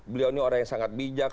beliau ini orang yang sangat bijak